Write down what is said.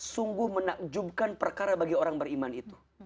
sungguh menakjubkan perkara bagi orang beriman itu